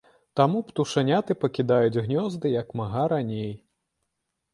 Таму птушаняты пакідаюць гнёзды як мага раней.